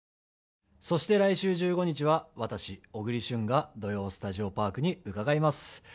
そして来週１５日は私、小栗旬が「土曜スタジオパーク」に伺います。